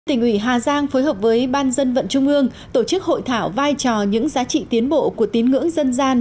tỉnh ủy hà giang phối hợp với ban dân vận trung ương tổ chức hội thảo vai trò những giá trị tiến bộ của tín ngưỡng dân gian